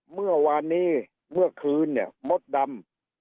เมื่อวานนี้เมื่อคืนเนี่ยมดดำ